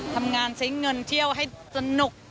ทำงานใช้เงินเที่ยวให้สนุก